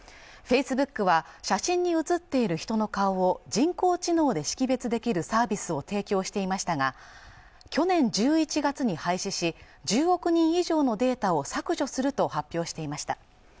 フェイスブックは写真に写っている人の顔を人工知能で識別できるサービスを提供していましたが去年１１月に廃止し１０億人以上のデータを削除すると発表していました